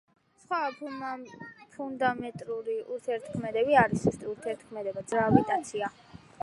სხვა ფუნდამენტური ურთიერთქმედებები არის სუსტი ურთიერთქმედება, ძლიერი ურთიერთქმედება და გრავიტაცია.